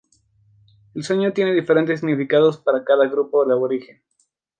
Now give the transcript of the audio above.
El Sueño tiene diferentes significados para cada grupo aborigen.